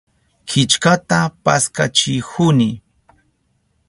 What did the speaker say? Killkata paskachihuni.